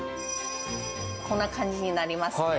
こんな感じになりますね。